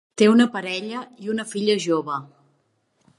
Té una parella i una filla jove.